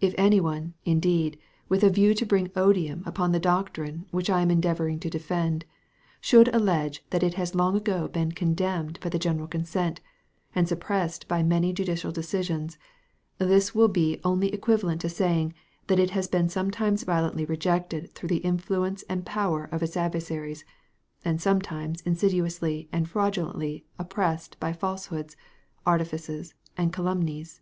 If any one, indeed, with a view to bring odium upon the doctrine which I am endeavouring to defend, should allege that it has long ago been condemned by the general consent, and suppressed by many judicial decisions, this will be only equivalent to saying, that it has been sometimes violently rejected through the influence and power of its adversaries, and sometimes insidiously and fraudulently oppressed by falsehoods, artifices, and calumnies.